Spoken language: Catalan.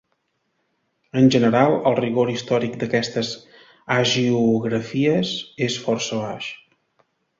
En general, el rigor històric d'aquestes hagiografies és força baix.